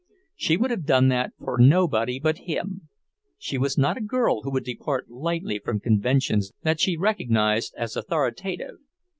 She would have done that for nobody but him. She was not a girl who would depart lightly from conventions that she recognized as authoritative.